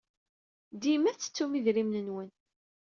Dima tettettum idrimen-nwen.